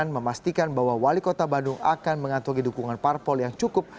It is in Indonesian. memastikan bahwa wali kota bandung akan mengantongi dukungan parpol yang cukup